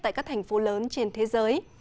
tại các thành phố lớn trên thế giới